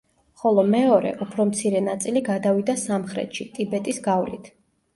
ხოლო მეორე, უფრო მცირე ნაწილი გადავიდა სამხრეთში, ტიბეტის გავლით.